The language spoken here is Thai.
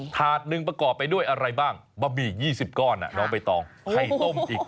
ถาดหนึ่งประกอบไปด้วยอะไรบ้างบะหมี่๒๐ก้อนน้องใบตองไข่ต้มอีก